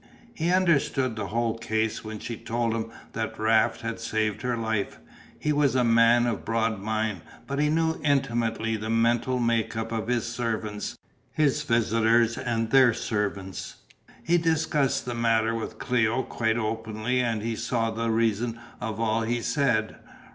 He understood the whole case when she told him that Raft had saved her life; he was a man of broad mind, but he knew intimately the mental make up of his servants, his visitors and their servants. He discussed the matter with Cléo quite openly and she saw the reason of all he said.